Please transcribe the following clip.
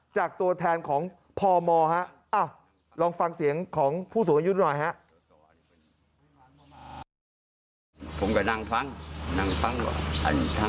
จากตัวแทนของพมลองฟังเสียงของผู้สูงอายุหน่อยฮะ